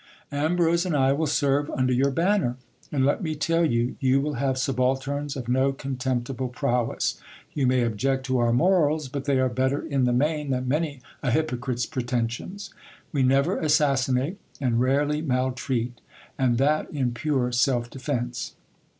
Ambrose and I will serve under your banner ; and let me tell you, you will have subalterns of no contemptible prowess. You may object to our morals ; but they are better in the main than many a hypocrite's preten sions. We never assassinate, and rarely maltreat : and that in pure self defence.